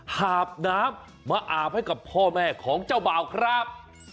หาบน้ำมาอาบให้กับพ่อแม่ของเจ้าบ่าวครับ